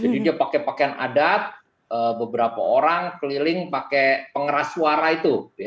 dia pakai pakaian adat beberapa orang keliling pakai pengeras suara itu